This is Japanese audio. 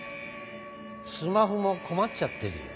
スマホも困っちゃってるよ。